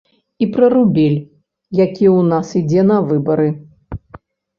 І пра рубель, які ў нас ідзе на выбары.